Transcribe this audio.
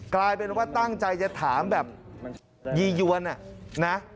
กลายเป็นว่าตั้งใจจะถามแบบยียวนนะ